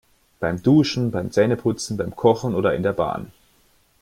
Beim Duschen, beim Zähneputzen, beim Kochen oder in der Bahn.